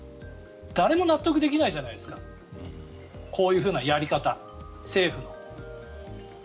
誰も納得できないじゃないですかこういうふうなやり方政府の。